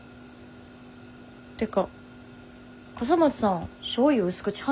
ってか笠松さんしょうゆ薄口派